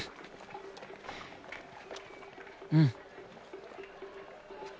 うん。